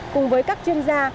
cùng với các chuyên gia